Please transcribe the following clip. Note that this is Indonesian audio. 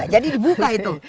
jadi dibuka itu